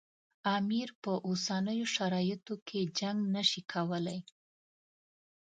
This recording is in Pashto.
امیر په اوسنیو شرایطو کې جنګ نه شي کولای.